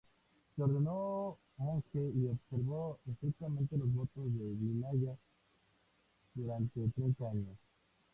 Se ordenó monje y observó estrictamente los votos del Vinaya durante treinta años.